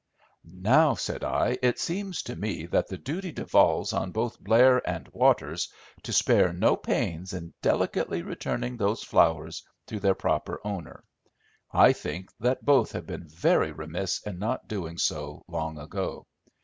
"Now," said I, "it seems to me that the duty devolves on both Blair and Waters to spare no pains in delicately returning those flowers to their proper owner. I think that both have been very remiss in not doing so long ago.